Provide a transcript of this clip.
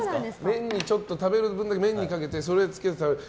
食べる麺にちょっとかけてそれをつけて食べる。